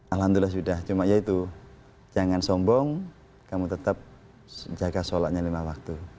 alhamdulillah sudah cuma ya itu jangan sombong kamu tetap jaga sholatnya lima waktu